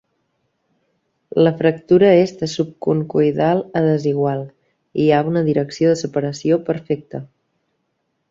La fractura és de subconcoidal a desigual, i hi ha una direcció de separació perfecta.